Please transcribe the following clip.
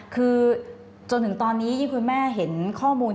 คือจนถึงตอนนี้ที่คุณแม่เห็นข้อมูล